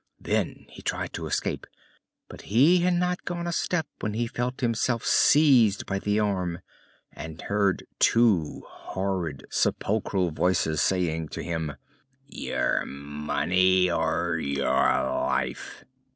Then he tried to escape. But he had not gone a step when he felt himself seized by the arm and heard two horrid, sepulchral voices saying to him: "Your money or your life!"